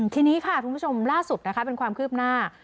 ทีนี้ค่ะคุณผู้ชมล่าสุดนะคะเป็นความคืบหน้า